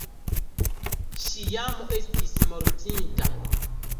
Ŝi jam estis mortinta.